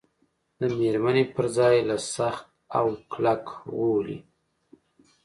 د مېرمنې پر ځای له سخت او کلک غولي.